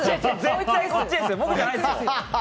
僕じゃないですよ！